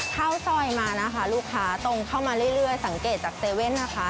ข้าวซอยมานะคะลูกค้าตรงเข้ามาเรื่อยสังเกตจาก๗๑๑นะคะ